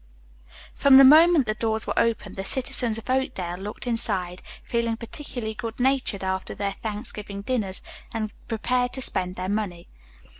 From the moment the doors were opened the citizens of Oakdale looked inside, feeling particularly good natured after their Thanksgiving dinners, and prepared to spend their money.